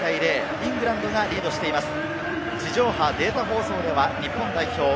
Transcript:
イングランドがリードしています。